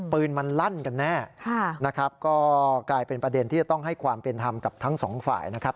ปืนมันลั่นกันแน่นะครับก็กลายเป็นประเด็นที่จะต้องให้ความเป็นธรรมกับทั้งสองฝ่ายนะครับ